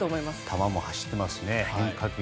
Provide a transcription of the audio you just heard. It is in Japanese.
球も走っていますしね。